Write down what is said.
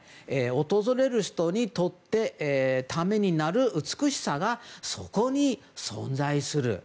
訪れる人にとって、ためになる美しさがそこに存在する。